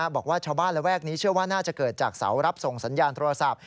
บอกว่าชาวบ้านระแวกนี้เชื่อว่าน่าจะเกิดจากเสารับส่งสัญญาณโทรศัพท์